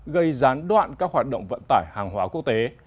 gây gián đoạn các hoạt động vận tải hàng hóa quốc tế